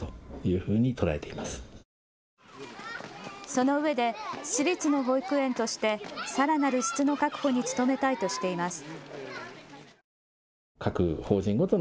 そのうえで私立の保育園としてさらなる質の確保に努めたいとしています。